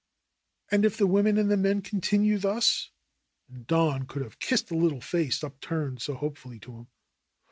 "And if the women and the men continue thus And Don could have kissed the little face upturned so hope fully to him.